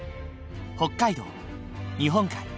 北海道日本海